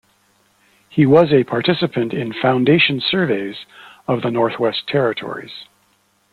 He was a participant in foundation surveys of the Northwest Territories.